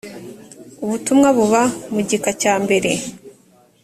ubutumwa buba mugika cyambere